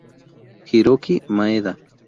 Hiroki Maeda